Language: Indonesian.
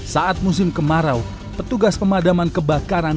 saat musim kemarau petugas pemadaman kebakaran